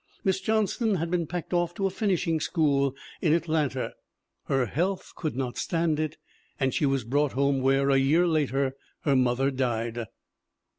Miss Johnston had been packed off to a finishing school in Atlantaj Her health could not stand it and she was brought home where, a year later, her mother died.